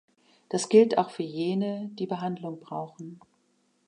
Das gilt auch für jene, die Behandlung brauchen.